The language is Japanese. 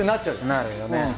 なるよね。